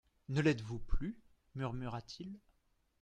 Ne l'êtes-vous plus ? murmura-t-il.